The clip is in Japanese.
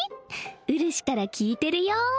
うるしから聞いてるよ